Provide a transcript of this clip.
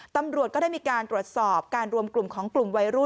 ตำรวจก็ได้มีการตรวจสอบการรวมกลุ่มของกลุ่มวัยรุ่น